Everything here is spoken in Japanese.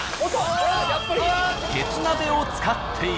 ［鉄鍋を使っている］